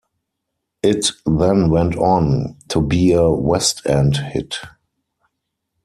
It then went on to be a West End hit.